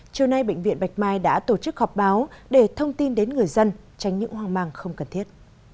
chiều nay bệnh viện bạch mai đã tổ chức họp báo để thông tin đến người dân tránh những hoang mang không cần thiết